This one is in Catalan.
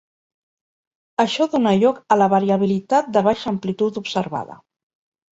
Això dóna lloc a la variabilitat de baixa amplitud observada.